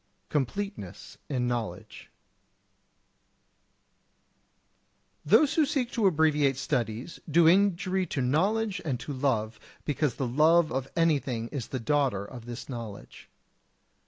[Sidenote: Completeness in Knowledge] 48. Those who seek to abbreviate studies do injury to knowledge and to love because the love of anything is the daughter of this knowledge.